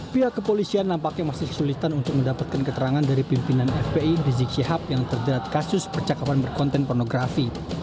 pihak kepolisian nampaknya masih kesulitan untuk mendapatkan keterangan dari pimpinan fpi rizik syihab yang terjerat kasus percakapan berkonten pornografi